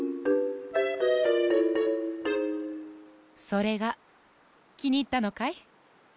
それがきにいったのかい？